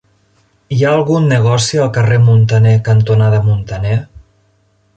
Hi ha algun negoci al carrer Muntaner cantonada Muntaner?